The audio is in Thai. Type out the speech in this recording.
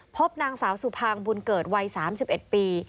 พบนางสาวสุภางบุญเกิดวัย๓๑ปี